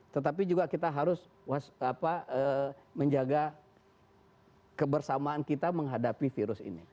tetapi juga kita harus menjaga kebersamaan kita menghadapi virus ini